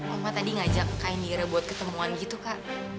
oma tadi ngajak kak indira buat ketemuan gitu kak